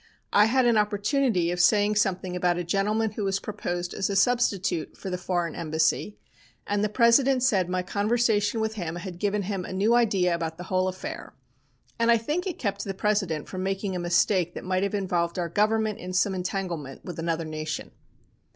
I had an opportunity of saying something about a gentleman who was proposed as a substitute for the foreign embassy, and the President said my conversation with him had given him a new idea about the whole affair, and I think it kept the President from making a mistake that might have involved our Government in some entanglement with another nation.